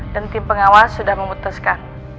dan tim pengawas sudah memutuskan